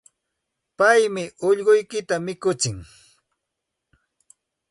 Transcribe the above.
Paymi allquykita mikutsin.